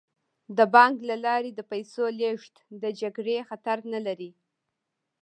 د بانک له لارې د پیسو لیږد د جګړې خطر نه لري.